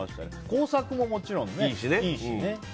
工作も、もちろんいいしね。